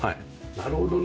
なるほどね。